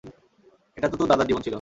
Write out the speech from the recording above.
এটা তো তোর দাদার জীবন ছিল।